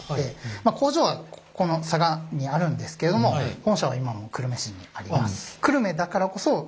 まあ工場はこの佐賀にあるんですけれども本社は今も久留米市にあります。